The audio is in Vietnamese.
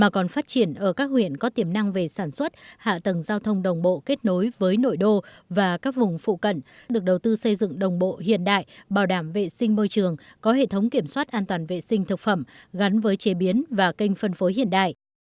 còn phát triển ở các huyện có tiềm năng về sản xuất hạ tầng giao thông đồng bộ kết nối với nội đô và các vùng phụ cận được đầu tư xây dựng đồng bộ hiện đại bảo đảm vệ sinh môi trường có hệ thống kiểm soát an toàn vệ sinh thực phẩm gắn với chế biến và kênh phân phối hiện đại